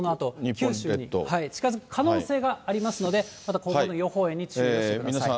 九州に近づく可能性がありますので、また今後の予報円に注意をしてください。